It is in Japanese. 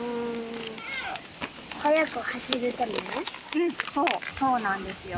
うんそうそうなんですよ。